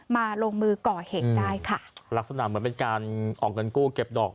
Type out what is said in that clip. มาลงมือก่อเหตุได้ค่ะลักษณะเหมือนเป็นการออกเงินกู้เก็บดอก